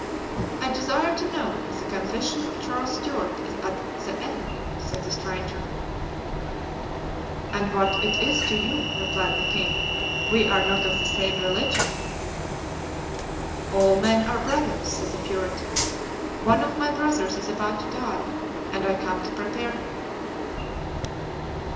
"I desire to know if the confession of Charles Stuart is at an end?" said the stranger. "And what is it to you?" replied the king; "we are not of the same religion." "All men are brothers," said the Puritan. "One of my brothers is about to die and I come to prepare him."